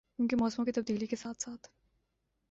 کیونکہ موسموں کی تبدیلی کے ساتھ ساتھ